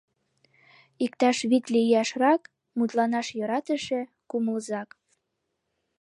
Иктаж витле ияшрак, мутланаш йӧратыше, кумылзак...